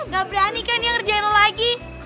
gak berani kan ya ngerjain lo lagi